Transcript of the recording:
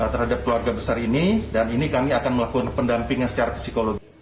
terhadap keluarga besar ini dan ini kami akan melakukan pendampingan secara psikologi